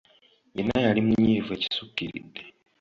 Yenna yali munyiivu ekisukkiridde.